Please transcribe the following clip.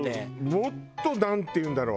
もっとなんていうんだろう